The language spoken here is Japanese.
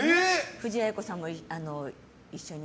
藤あや子さんも一緒に。